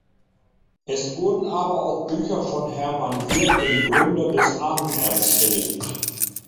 Es wurden aber auch Bücher von Herman Wirth, dem Gründer des Ahnenerbes, verlegt.